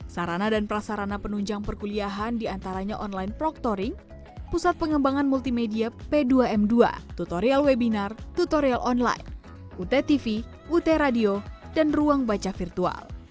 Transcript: sarana dan prasarana penunjang perkuliahan diantaranya online proctoring pusat pengembangan multimedia p dua m dua tutorial webinar tutorial online ut tv ut radio dan ruang baca virtual